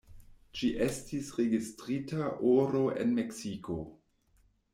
Ĝi estis registrita oro en Meksiko.